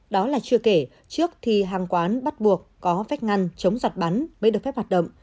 đó là chưa kể trước thì hàng quán bắt buộc có vách ngăn chống giặt bắn mới được phép hoạt động